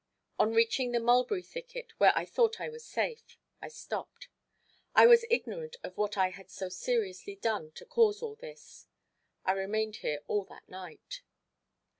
On reaching the mulberry thicket, where I thought I was safe, I stopped. I was ignorant of what I had so seriously done to cause all this. I remained here all that night.